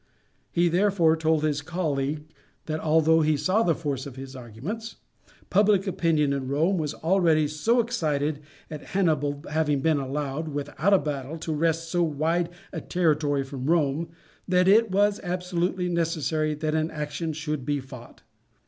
He therefore told his colleague that although he saw the force of his arguments, public opinion in Rome was already so excited at Hannibal having been allowed, without a battle, to wrest so wide a territory from Rome, that it was absolutely necessary that an action should be fought.